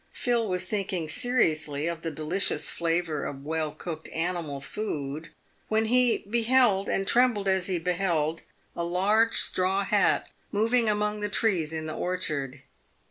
Phil was thinking seriously of the delicious flavour of well cooked animal food, when he beheld — and trembled as he beheld — a large straw hat moving among the trees in the orchard.